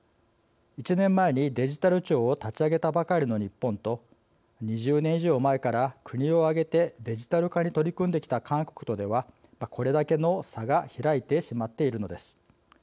１年前にデジタル庁を立ち上げたばかりの日本と２０年以上前から国を挙げてデジタル化に取り組んできた韓国とではこれだけの差が開いてしまっているのです。